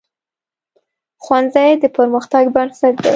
ښوونځی د پرمختګ بنسټ دی